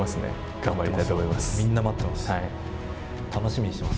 頑張りたいと思います。